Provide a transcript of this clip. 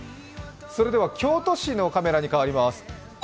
それでは京都市のカメラに変わります。